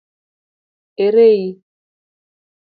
Ere i?